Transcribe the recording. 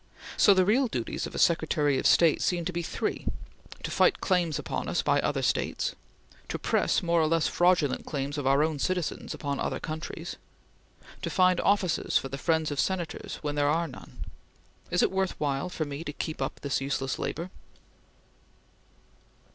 So that the real duties of a Secretary of State seem to be three: to fight claims upon us by other States; to press more or less fraudulent claims of our own citizens upon other countries; to find offices for the friends of Senators when there are none. Is it worth while for me to keep up this useless labor?"